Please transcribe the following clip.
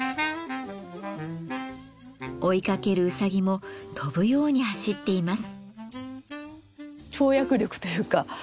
追いかけるうさぎも跳ぶように走っています。